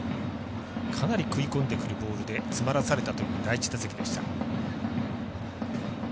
かなり食い込んでくるボールで詰まらされた第１打席でした。